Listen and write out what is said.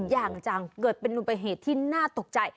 อย่างจังเกิดเป็นนุมงท่วมตกใจ